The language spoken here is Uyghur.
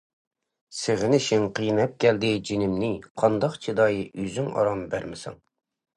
سېغىنىشىڭ قىيناپ كەلدى جېنىمنى، قانداق چىداي ئۆزۈڭ ئارام بەرمىسەڭ.